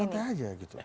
santai aja gitu